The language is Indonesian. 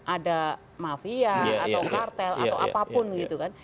ada mafia atau kartel atau apapun gitu kan